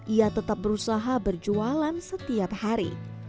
ia tetap berusaha berjualan setiap hari